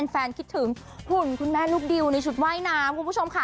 คิดถึงหุ่นคุณแม่ลูกดิวในชุดว่ายน้ำคุณผู้ชมค่ะ